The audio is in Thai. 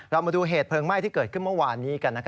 มาดูเหตุเพลิงไหม้ที่เกิดขึ้นเมื่อวานนี้กัน